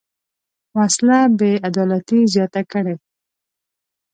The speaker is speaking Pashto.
وسله بېعدالتي زیاته کړې